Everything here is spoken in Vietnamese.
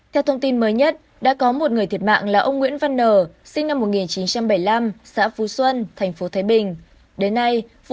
theo thông tin mới nhất đã có một người thiệt mạng là ông nguyễn văn nở sinh năm một nghìn chín trăm bảy mươi năm xã phú xuân thành phố thái bình